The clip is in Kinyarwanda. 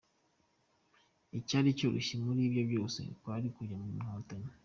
Icyari cyoroshye muri ibyo byose kwari ukujya mu nkotanyi.